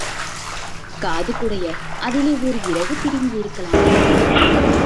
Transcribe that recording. காது குடைய அதிலே ஒர் இறகு பிடுங்கியிருக்கலாமே?